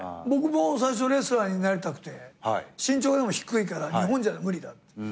僕も最初レスラーになりたくて身長がでも低いから日本じゃ無理だって。